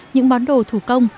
những món đồ thủ công